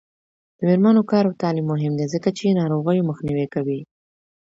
د میرمنو کار او تعلیم مهم دی ځکه چې ناروغیو مخنیوی کوي.